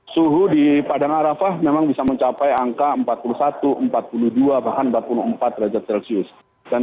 suhu di padang arafah memang bisa mencapai angka empat puluh satu empat puluh dua bahkan empat puluh empat derajat celcius